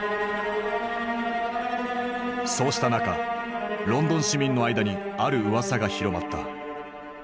そうした中ロンドン市民の間にあるうわさが広まった。